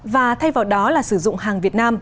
và thay vào đó là sử dụng hàng